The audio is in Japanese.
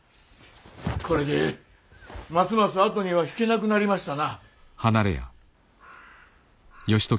これでますます後には引けなくなりましたな。